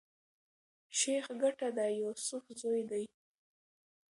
شېخ ګټه د يوسف زوی دﺉ.